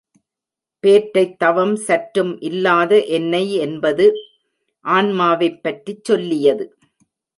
பேற்றைத் தவம் சற்றும் இல்லாத என்னை என்பது ஆன்மாவைப் பற்றிச் சொல்லியது.